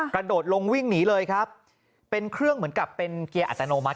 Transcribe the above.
กระโดดลงวิ่งหนีเลยครับเป็นเครื่องเหมือนกับเป็นเกียร์อัตโนมัติ